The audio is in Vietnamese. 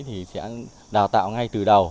thì sẽ đào tạo ngay từ đầu